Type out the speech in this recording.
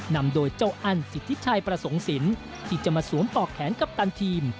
นำโดยเจ้าอันสิทธิชัยประสงค์สินที่จะมาสวมปอกแขนกัปตันทีม